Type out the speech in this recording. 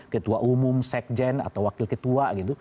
ketua umum sekjen atau wakil ketua gitu